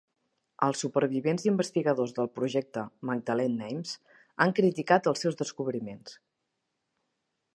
Els supervivents i investigadors del projecte "Magdalene Names" han criticat els seus descobriments.